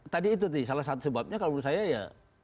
tadi itu nih salah satu sebabnya kalau menurut saya ya